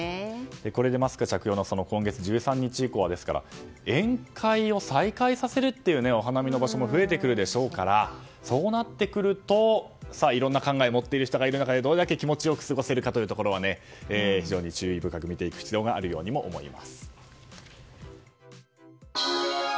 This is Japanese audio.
これでマスク着用緩和の今月１３日以降は宴会を再開させるお花見の場所も増えてくるでしょうからそうなってくるといろんな考えを持っている方がいるからどれだけ気持ちよく過ごせるか非常に注意深く見ていく必要があるかと思います。